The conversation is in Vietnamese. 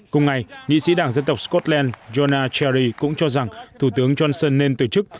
cùng ngày nghị sĩ đảng dân tộc scotland jonah cherry cũng cho rằng thủ tướng johnson nên từ chức